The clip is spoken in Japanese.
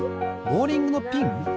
ボウリングのピン？